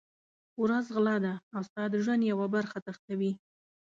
ورځ غله ده او ستا د ژوند یوه برخه تښتوي.